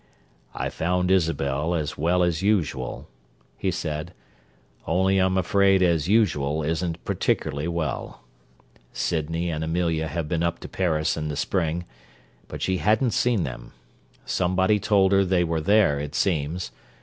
"I found Isabel as well as usual," he said, "only I'm afraid 'as usual' isn't particularly well. Sydney and Amelia had been up to Paris in the spring, but she hadn't seen them. Somebody told her they were there, it seems.